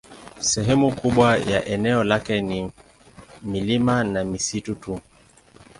Sehemu kubwa ya eneo lake ni milima na misitu tu.